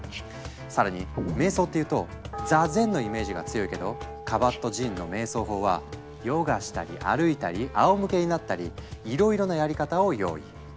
更に瞑想っていうと「座禅」のイメージが強いけどカバットジンの瞑想法はヨガしたり歩いたりあおむけになったりいろいろなやり方を用意。